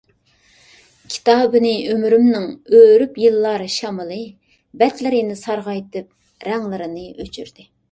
كىتابىنى ئۆمرۈمنىڭ ئۆرۈپ يىللار شامىلى، بەتلىرىنى سارغايتىپ، رەڭلىرىنى ئۆچۈردى.